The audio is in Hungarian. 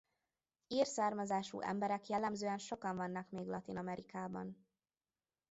Ír származású emberek jellemzően sokan vannak még Latin-Amerikában.